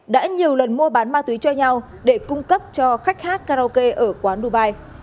các ma túy cho nhau để cung cấp cho khách hát karaoke ở quán dubai